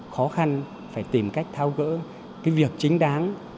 khó khăn phải tìm cách thao gỡ cái việc chính đáng